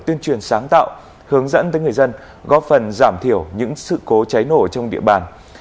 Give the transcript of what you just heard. tuyên truyền sáng tạo hướng dẫn tới người dân góp phần giảm thiểu những sự cố cháy nổ trong địa bàn